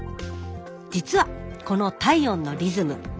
実はこの体温のリズム